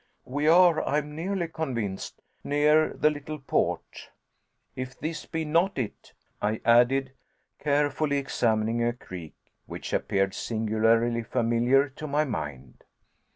We are, I am nearly convinced, near the little port: if this be not it," I added, carefully examining a creek which appeared singularly familiar to my mind.